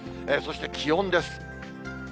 そして気温です。